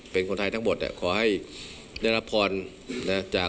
เป็นคนไทยทั้งหมดครับขอให้ได้รับภารเช่น